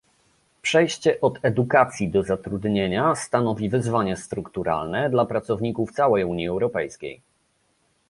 Przejście od edukacji do zatrudnienia stanowi wyzwanie strukturalne dla pracowników w całej Unii Europejskiej